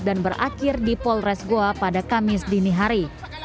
dan berakhir di polres goa pada kamis dini hari